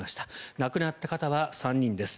亡くなった方は３人です。